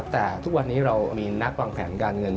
แต่ทุกวันนี้เรามีนักวางแผนการเงิน